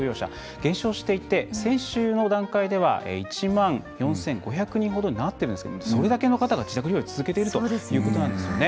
減少していて先週の段階では１万４５００人ほどになってるんですけどそれだけの方が自宅療養を続けているということなんですよね。